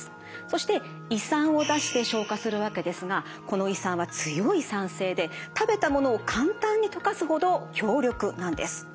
そして胃酸を出して消化するわけですがこの胃酸は強い酸性で食べたものを簡単に溶かすほど強力なんです。